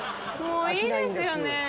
もういいですよね。